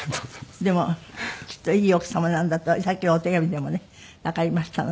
でもきっといい奥様なんだとさっきのお手紙でもねわかりましたので。